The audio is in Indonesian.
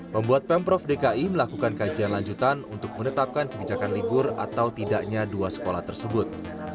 membuat pemprov dki melakukan kajian lanjutan untuk menetapkan kebijakan libur atau tidaknya dua sekolah tersebut